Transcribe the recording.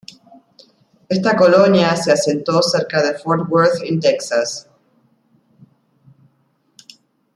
Esta colonia se asentó cerca de Fort Worth en Texas.